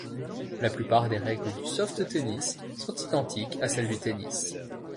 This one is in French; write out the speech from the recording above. La plupart des règles du soft tennis sont identiques à celles du tennis.